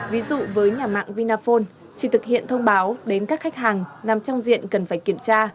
ví dụ với nhà mạng vinaphone chỉ thực hiện thông báo đến các khách hàng nằm trong diện cần phải kiểm tra